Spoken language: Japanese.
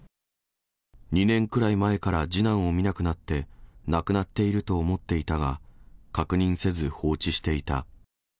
２年くらい前から次男を見なくなって、亡くなっていると思っていたが、確認せず放置していた。